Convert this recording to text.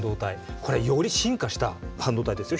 これより進化した半導体ですよ